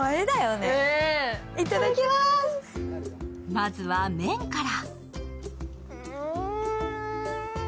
まずは麺から。